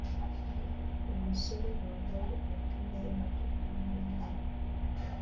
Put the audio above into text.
Umusore wambaye umupira wumutuku numweru